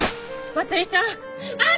まつりちゃん！